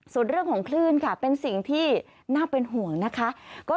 ส่วนเรื่องของคลื่นค่ะเป็นสิ่งที่น่าเป็นห่วงนะคะ